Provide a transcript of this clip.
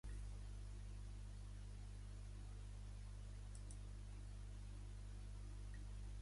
Qui no ha estimat mai allò estimat a primera vista?